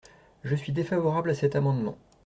Je suis défavorable à cet amendement.